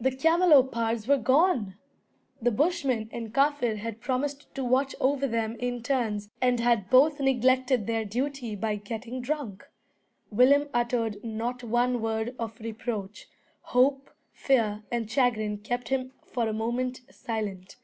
The camelopards were gone! The Bushman and Kaffir had promised to watch over them in turns, and had both neglected their duty by getting drunk. Willem uttered not one word of reproach. Hope, fear, and chagrin kept him for a moment silent.